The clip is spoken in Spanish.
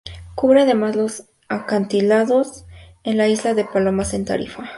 Cubre además los acantilados de la Isla de las Palomas en Tarifa.